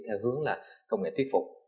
theo hướng là công nghệ thuyết phục